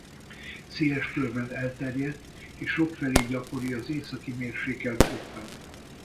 Széles körben elterjedt és sokfelé gyakori az északi mérsékelt övben.